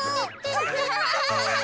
アハハハ。